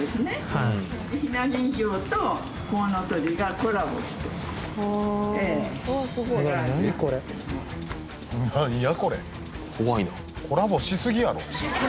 コラボしすぎやろ！